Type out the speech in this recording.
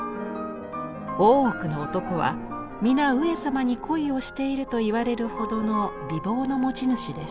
大奥の男は皆上様に恋をしていると言われるほどの美貌の持ち主です。